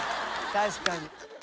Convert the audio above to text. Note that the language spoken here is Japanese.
確かに。